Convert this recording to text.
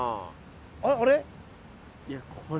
あっあれ？